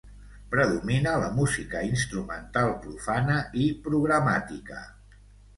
Predomina la música instrumental profana i programàtica.